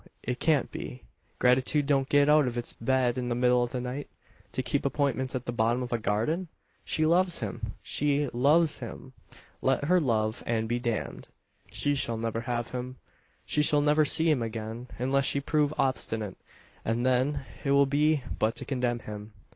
It can't be. Gratitude don't get out of its bed in the middle of the night to keep appointments at the bottom of a garden? She loves him she loves him! Let her love and be damned! She shall never have him. She shall never see him again, unless she prove obstinate; and then it will be but to condemn him.